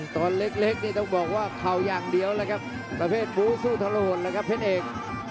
ตอนเล็กต้องบอกว่าเขาอย่างเดียวประเภทบูธสู้ทะละหดเป็นเอก